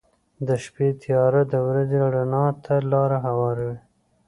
• د شپې تیاره د ورځې رڼا ته لاره هواروي.